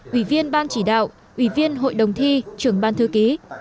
ủy viên ban chỉ đạo ủy viên hội đồng thi trưởng ban thư ký